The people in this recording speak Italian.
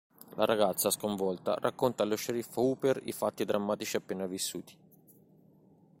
La ragazza, sconvolta, racconta allo sceriffo Hooper i fatti drammatici appena vissuti.